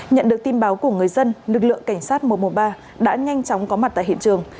nhận được tin báo của người dân lực lượng cảnh sát một trăm một mươi ba đã nhanh chóng có mặt tại hiện trường